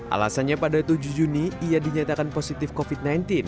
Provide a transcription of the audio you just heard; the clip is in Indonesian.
alasannya pada tujuh juni ia dinyatakan positif covid sembilan belas